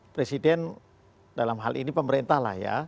presiden dalam hal ini pemerintah lah ya